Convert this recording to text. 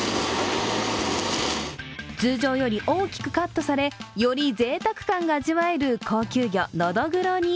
通常より大きくカットされよりぜいたく感が味わえる高級魚のどぐろに